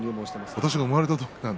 私の生まれただ。